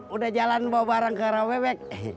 udah jalan bawa barang ke rawebek